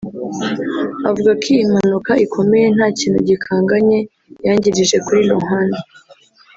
avuga ko iyi mpanuka ikomeye nta kintu gikanganye yangirije kuri Lohan